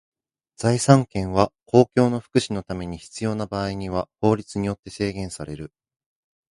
財産権は公共の福祉のために必要な場合には法律によって制限される。